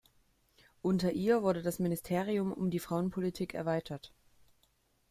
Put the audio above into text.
Unter ihr wurde das Ministerium um die Frauenpolitik erweitert.